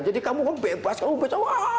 jadi kamu kok bebas kamu bisa wah